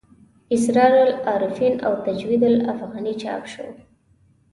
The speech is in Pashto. اسرار العارفین او تجوید الافغاني چاپ شو.